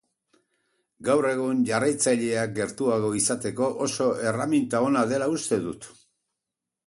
Gaur egun jarraitzaileak gertuago izateko oso erreminta ona dela uste dut.